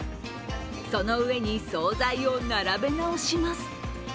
その上に総菜を並べ直します。